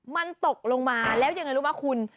มันตกลงมาแล้วยังไงรู้ไหมคุณ